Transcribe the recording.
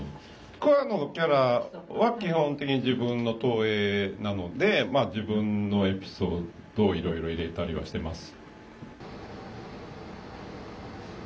桑野のキャラは基本的に自分の投影なのでまあ自分のエピソードをいろいろ入れたりはしてます。